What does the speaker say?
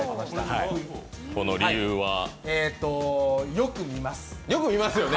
よく見ます。